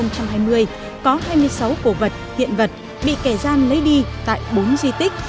có hai mươi sáu cổ vật hiện vật bị kẻ gian lấy đi tại bốn di tích